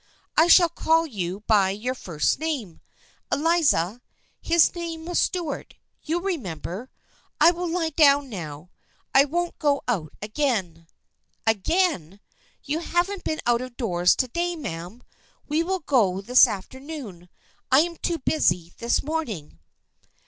I shall call you by your first name. Eliza, his name was Stuart, you remember. I will lie down now. I won't go out again/' " Again! You haven't been out of doors to day, ma'am. We will go this afternoon. I am too busy this morning."